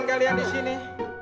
kalian di sini